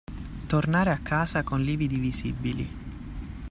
Tornare a casa con lividi visibili.